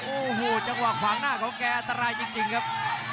โอ้โหจังหวะขวางหน้าของแกอันตรายจริงครับ